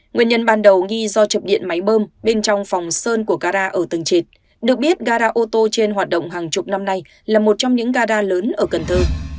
nguyên nhân ban đầu nghi do chập điện máy bơm bên trong phòng sơn của gara ở tầng trịt được biết gara ô tô trên hoạt động hàng chục năm nay là một trong những gada lớn ở cần thơ